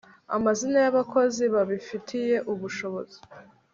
amazina y abakozi babifitiye ubushobozi